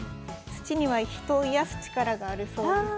土には人を癒やす力があるそうです。